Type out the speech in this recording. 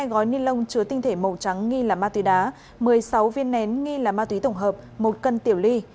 hai gói ni lông chứa tinh thể màu trắng nghi là ma túy đá một mươi sáu viên nén nghi là ma túy tổng hợp một cân tiểu ly